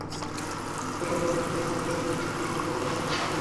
লঘুচাপের কারণে রাজধানী ঢাকাসহ দেশের বিভিন্ন স্থানে গতকাল শুক্রবার বৃষ্টি হয়েছে।